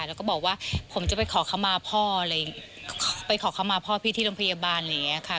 แล้วก็บอกว่าผมจะไปขอขมาพ่อพี่ที่โรงพยาบาลอะไรอย่างนี้ค่ะ